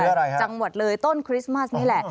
อะไรจังหวัดเลยต้นคริสต์มัสนี่แหละ